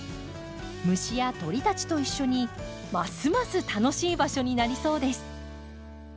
虫や鳥たちと一緒にますます楽しい場所になりそうです。